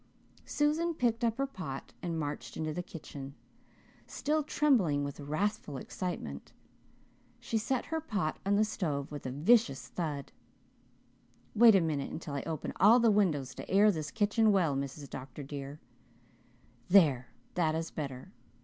Susan picked up her pot and marched into the kitchen, still trembling with wrathful excitement. She set her pot on the stove with a vicious thud. "Wait a moment until I open all the windows to air this kitchen well, Mrs. Dr. dear. There, that is better.